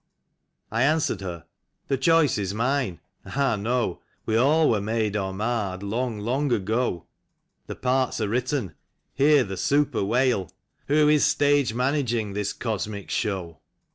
I answered Her : The choice is mine — ah, no ! We all were made or marred long, long ago. The parts are written: hear the super wail: " Who is stage managing this cosmic show